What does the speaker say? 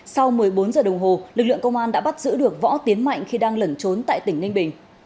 sau một mươi bốn giờ đồng hồ lực lượng công an đã bắt giữ được võ tiến mạnh khi đang lẩn trốn tại tỉnh ninh bình